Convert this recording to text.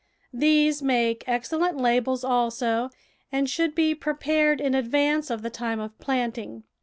These make excellent labels, also, and should be pre pared in advance of the time of planting.